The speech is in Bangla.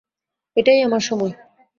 এটাই আমার সময়।